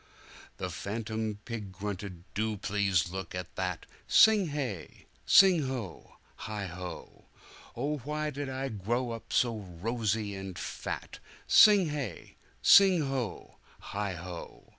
The phantom pig grunted, "Do please look at that!" Sing hey! sing ho! heigho!"Oh! why did I grow up so rosy and fat!" Sing hey! sing ho! heigho!"